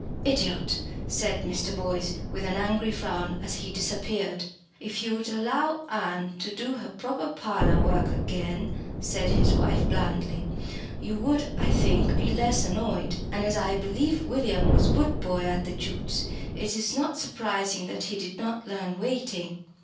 "Idiot!" said Mr. Boyce, with an angry frown, as he disappeared. "If you would allow Ann to do her proper parlour work again," said his wife blandly, "you would, I think, be less annoyed. And as I believe William was boot boy at the Jutes', it is not surprising that he did not learn waiting."